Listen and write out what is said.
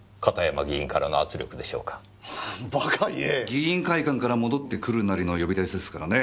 議員会館から戻ってくるなりの呼び出しですからね。